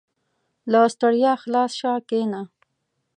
• له ستړیا خلاص شه، کښېنه.